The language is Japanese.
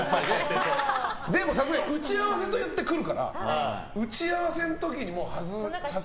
でもさすがに打ち合わせといって来るから打ち合わせの時にさすがに。